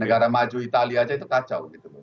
negara maju italia aja itu kacau gitu